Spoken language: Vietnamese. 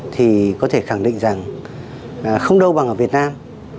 thì có thể khẳng định rằng không đâu bằng ở việt nam